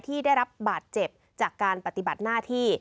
ที่ได้รับบาดเจ็บจากการปฏิบัติหน้าที่